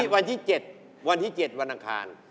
วันที่๗วันที่๗วันอังคาร